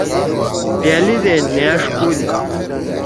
پألے دے نأݜ کودی۔